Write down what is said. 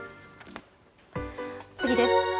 次です。